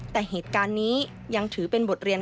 แต่เหตุการณ์นี้ยังถือเป็นบทเรียน